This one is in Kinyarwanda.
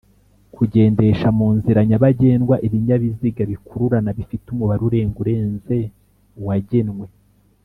kugendesha munzira nyabagendwa ibinybiziga bikururana bifite Umubare urenga urenze uwagenwe